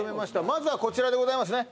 まずはこちらでございますね